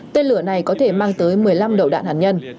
tên lửa này có thể mang tới một mươi năm đầu đạn hạt nhân